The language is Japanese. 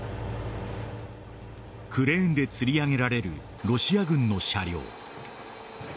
クレーンでつり上げられるロシア軍の車両。